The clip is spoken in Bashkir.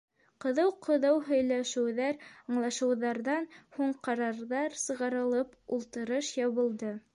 Ҡыҙыу-ҡыҙыу һөйләшеүҙәр, аңлашыуҙарҙан һуң, ҡарарҙар сығарылып, ултырыш ябылды.